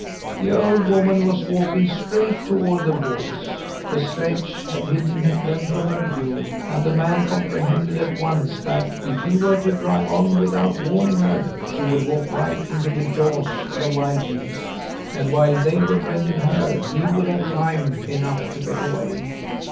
"The old woman was walking straight toward the wolves. The sledge had hidden them from her view, and the man comprehended at once that, if he were to drive on without warning her, she would walk right into the jaws of the wild beasts, and while they were rending her, he would have time enough to get away.